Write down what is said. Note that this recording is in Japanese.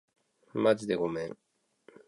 まじでごめん